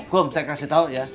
gum saya kasih tahu ya